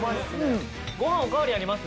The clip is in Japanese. ご飯お代わりあります？